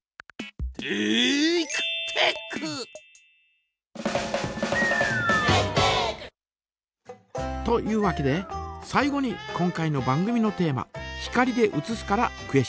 「テイクテック」！というわけで最後に今回の番組のテーマ「光で写す」からクエスチョン。